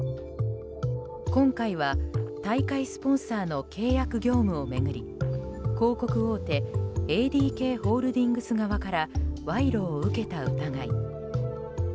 今回は、大会スポンサーの契約業務を巡り広告大手ＡＤＫホールディングス側から賄賂を受けた疑い。